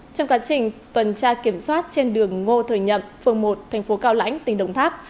trong cán trình tuần tra kiểm soát trên đường ngô thời nhậm phường một thành phố cao lãnh tỉnh đồng tháp